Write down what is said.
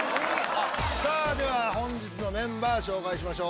さあでは本日のメンバー紹介しましょう。